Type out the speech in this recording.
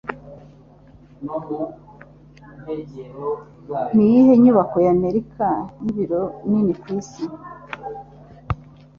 Niyihe nyubako y'Abanyamerika y'ibiro nini kwisi?